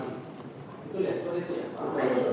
itu ya seperti itu ya